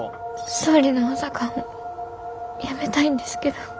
総理の補佐官を辞めたいんですけど。